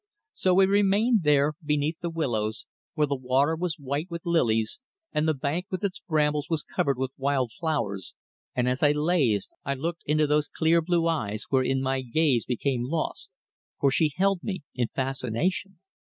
So we remained there beneath the willows, where the water was white with lilies and the bank with its brambles was covered with wild flowers, and as I "lazed" I looked into those clear blue eyes wherein my gaze became lost, for she held me in fascination.